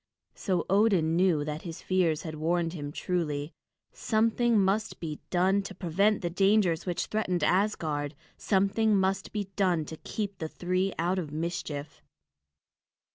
So Odin knew that his fears had warned him truly. Something must be done to prevent the dangers which threatened Asgard. Something must be done to keep the three out of mischief.